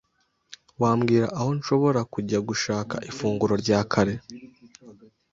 Wambwira aho nshobora kujya gushaka ifunguro rya kare?